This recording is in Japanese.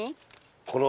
この。